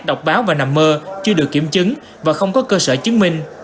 đọc báo và nằm mơ chưa được kiểm chứng và không có cơ sở chứng minh